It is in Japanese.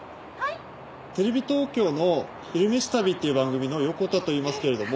テレビ東京の「昼めし旅」っていう番組の横田といいますけれども。